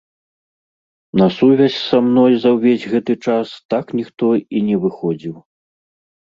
На сувязь са мной за ўвесь гэты час так ніхто і не выходзіў.